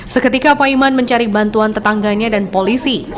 seketika paiman mencari bantuan tetangganya dan polisi